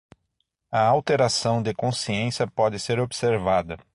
A alteração de consciência pode ser observada